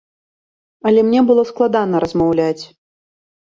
Але мне было складана размаўляць.